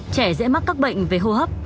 trẻ dễ mắc các bệnh về hô hấp